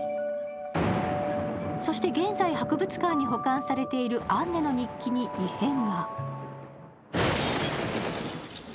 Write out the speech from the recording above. そして現在、博物館に保管されている「アンネの日記」に異変が。